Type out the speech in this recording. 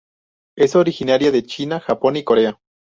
Es originaria de China, Japón y Corea.